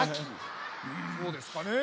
そうですかねえ。